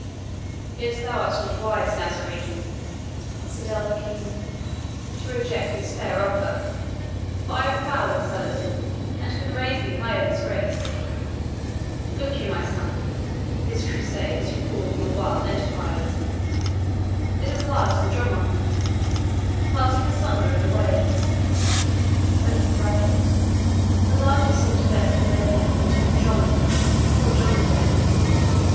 "Yet thou art not wise, Nazarene," said El Hakim, "to reject this fair offer; for I have power with Saladin, and can raise thee high in his grace. Look you, my son this Crusade, as you call your wild enterprise, is like a large dromond [The largest sort of vessels then known were termed dromond's, or dromedaries.